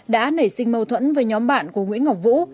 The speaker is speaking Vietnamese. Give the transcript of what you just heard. đã nảy sinh mâu thuẫn với nhóm bạn của nguyễn ngọc vũ